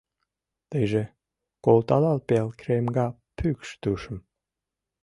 Тыйже колталал пел кремга пӱкш тушым